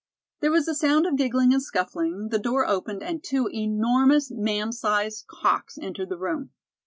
There was a sound of giggling and scuffling, the door opened and two enormous, man sized cocks entered the room.